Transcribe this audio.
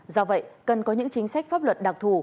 do vậy cần có những chính sách pháp luật đặc thù